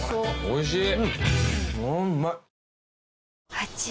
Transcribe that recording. おいしい。